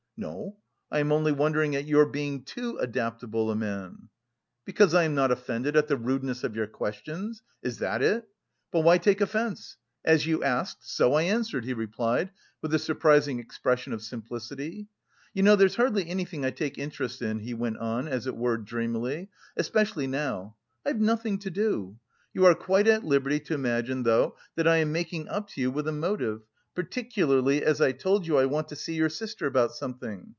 "No, I am only wondering at your being too adaptable a man." "Because I am not offended at the rudeness of your questions? Is that it? But why take offence? As you asked, so I answered," he replied, with a surprising expression of simplicity. "You know, there's hardly anything I take interest in," he went on, as it were dreamily, "especially now, I've nothing to do.... You are quite at liberty to imagine though that I am making up to you with a motive, particularly as I told you I want to see your sister about something.